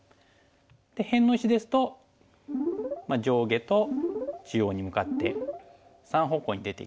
で辺の石ですと上下と中央に向かって３方向に出ていきます。